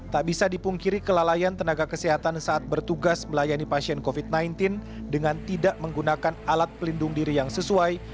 tak bisa dipungkiri kelalaian tenaga kesehatan saat bertugas melayani pasien covid sembilan belas dengan tidak menggunakan alat pelindung diri yang sesuai